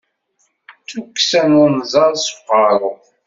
D tukksa n unẓaḍ seg uqeṛṛu.